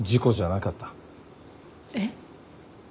えっ？